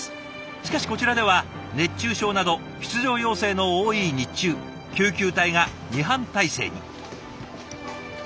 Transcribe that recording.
しかしこちらでは熱中症など出場要請の多い日中救急隊が２班体制に。